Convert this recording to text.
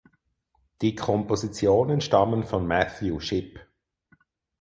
Die Kompositionen stammen von Matthew Shipp.